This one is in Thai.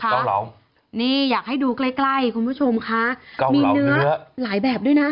เก้าเหลานี่อยากให้ดูใกล้คุณผู้ชมค่ะเก้าเหลาเนื้อมีเนื้อหลายแบบด้วยนะ